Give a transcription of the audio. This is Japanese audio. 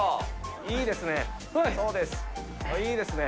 いいですね。